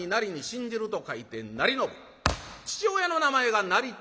父親の名前が成豊。